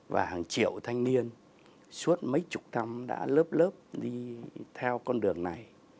và hàng triệu thanh niên suốt mấy chục năm đã lớp lớp đi theo con đường này